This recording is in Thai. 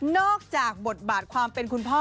จากบทบาทความเป็นคุณพ่อ